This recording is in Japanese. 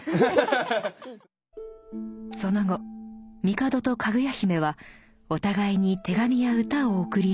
その後帝とかぐや姫はお互いに手紙や歌を贈り